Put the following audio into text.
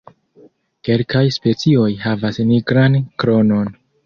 Kelkaj specioj havas nigran kronon.